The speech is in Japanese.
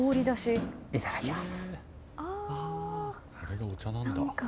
いただきます。